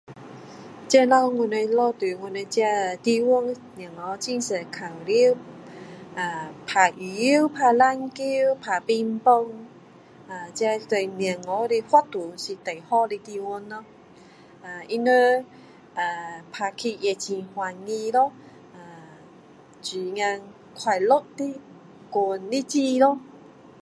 这个我们住的地方小孩很多玩呵打羽球打篮球打乒乓呃这对小孩的活动是最好的地方咯然后他们呃打起也很高兴咯啊很快乐的过日子咯